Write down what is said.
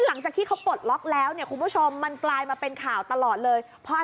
หลังจากที่เขาปลดล็อกแล้วเนี่ยคุณผู้ชมมันกลายมาเป็นข่าวตลอดเลยเพราะ